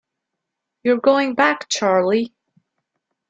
You're going back, Charley?